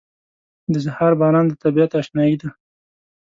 • د سهار باران د طبیعت اشنايي ده.